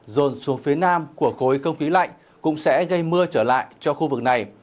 dồn xuống phía nam của khối không khí lạnh cũng sẽ gây mưa trở lại cho khu vực này